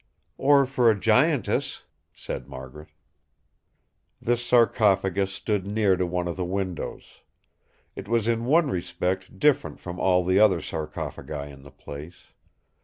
"Or for a giantess!" said Margaret. This sarcophagus stood near to one of the windows. It was in one respect different from all the other sarcophagi in the place.